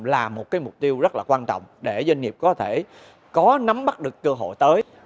là một mục tiêu rất là quan trọng để doanh nghiệp có thể có nắm bắt được cơ hội tới